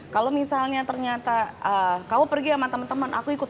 kalau misalnya ternyata kamu pergi sama teman teman aku ikut